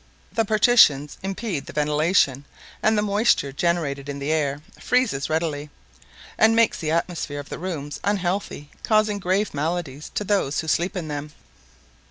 The partitions impede the ventilation; and the moisture, generated in the air, freezes readily, and makes the atmosphere of the rooms unhealthy causing grave maladies to those who sleep in them.